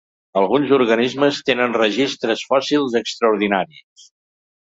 Alguns organismes tenen registres fòssils extraordinaris.